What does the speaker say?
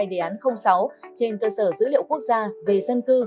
bộ công an đã triển khai đề án sáu trên cơ sở dữ liệu quốc gia về dân cư